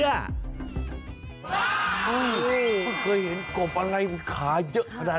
เฮ่ยเพิ่งเคยเห็นกบอะไรขาเยอะขนาดนี้